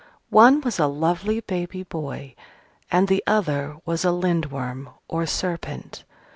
One was a lovely baby boy, and the other was a Lindworm, or Serpent.